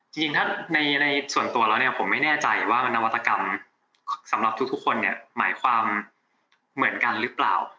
จริงถ้าในส่วนตัวแล้วเนี่ยผมไม่แน่ใจว่านวัตกรรมสำหรับทุกคนเนี่ยหมายความเหมือนกันหรือเปล่า